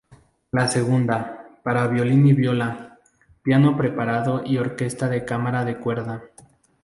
La segunda, para violín y viola, piano preparado y orquesta de cámara de cuerda.